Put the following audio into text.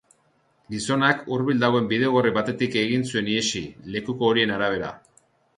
Gizonak hurbil dagoen bidegorri batetik egin zuen ihesi, lekuko horien arabera.